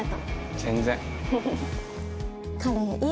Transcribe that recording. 全然。